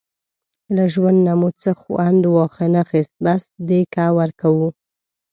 له ژوند نه مو څه وخوند وانخیست، بس دیکه ورکوو.